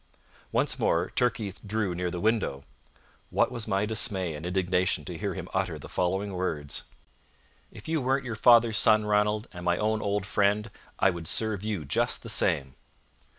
Once more Turkey drew near the window. What was my dismay and indignation to hear him utter the following words: "If you weren't your father's son, Ranald, and my own old friend, I would serve you just the same."